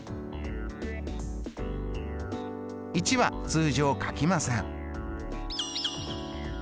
１は通常書きません。